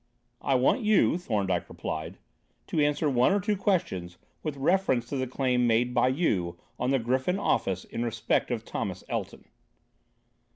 "I want you," Thorndyke replied, "to answer one or two questions with reference to the claim made by you on the Griffin Office in respect of Thomas Elton."